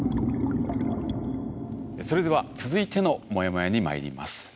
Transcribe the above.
それでは続いてのモヤモヤにまいります。